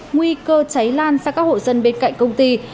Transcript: nguy cơ cháy lan sang các hộ dân bên cạnh công ty